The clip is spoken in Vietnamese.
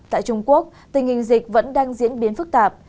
tại trung quốc tình hình dịch vẫn đang diễn biến phức tạp